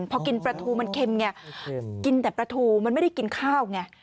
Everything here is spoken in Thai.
พอกินปลาทูมันเค็มไงกินแต่ปลาทูมันไม่ได้กินข้าวไง